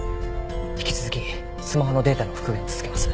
引き続きスマホのデータの復元を続けます。